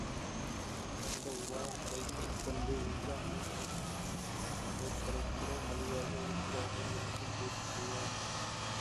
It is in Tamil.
எந்த உபாயங்களைக் கைக்கொண்டு விஞ்ஞான நூற்களைக்கூட மலிவாக விற்கிறார்கள் என்று கேட்டோம்.